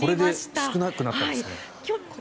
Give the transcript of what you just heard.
これで少なくなったんですね。